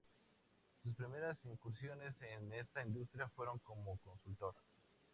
Sus primeras incursiones en esa industria fueron como consultor.